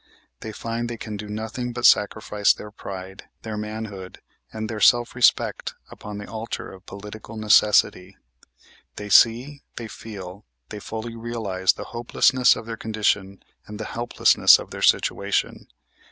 They find they can do nothing but sacrifice their pride, their manhood, and their self respect upon the altar of political necessity. They see, they feel, they fully realize the hopelessness of their condition and the helplessness of their situation.